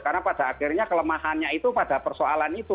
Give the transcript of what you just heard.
karena pada akhirnya kelemahannya itu pada persoalan itu